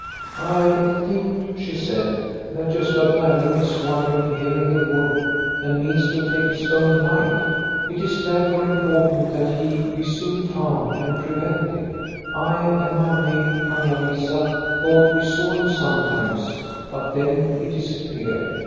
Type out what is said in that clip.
I think," she said, " that Gosta Berling is wander ing here in the wood, and means to take his own life. It is therefore important that he be soon found and prevented. I and my maid, Anna Lisa, thought we saw him sometimes, but then he disappeared.